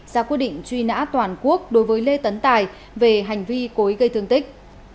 ra quyết định truy nã toàn quốc đối với lê tấn tài về hành vi cối gây thương tích